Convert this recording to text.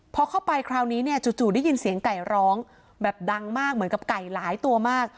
พอเข้าไปคราวนี้เนี่ยจู่ได้ยินเสียงไก่ร้องแบบดังมากเหมือนกับไก่หลายตัวมาก